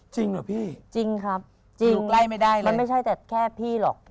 จริงเหรอพี่อยู่ใกล้ไม่ได้เลยจริงมันไม่ใช่แค่พี่หรอก